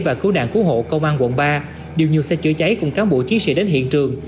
và cứu đàn cứu hộ công an quận ba điều như xe chữa cháy cùng cáo bộ chiến sĩ đến hiện trường